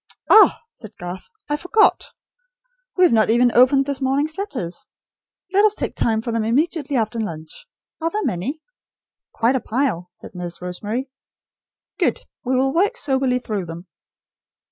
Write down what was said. "Ah," said Garth, "I forgot. We have not even opened this morning's letters. Let us take time for them immediately after lunch. Are there many?" "Quite a pile," said Nurse Rosemary. "Good. We will work soberly through them."